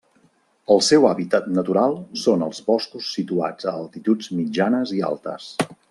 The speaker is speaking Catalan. El seu hàbitat natural són els boscos situats a altituds mitjanes i altes.